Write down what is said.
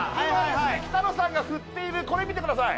今北野さんがふっているこれ見てください。